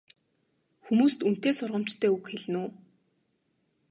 Хүмүүст үнэтэй сургамжтай үг хэлнэ үү?